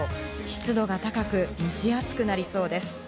湿度が高く、蒸し暑くなりそうです。